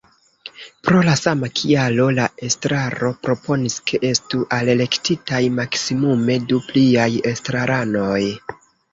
Pro la sama kialo la estraro proponis, ke estu alelektitaj maksimume du pliaj estraranoj.